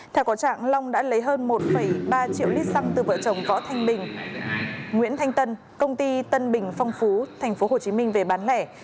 theo có trạng long đã lấy hơn một ba triệu lít xăng từ vợ chồng võ thanh bình nguyễn thanh tân công ty tân bình phong phú tp hcm về bán lẻ